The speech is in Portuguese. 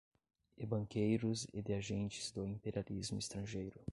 e banqueiros e de agentes do imperialismo estrangeiro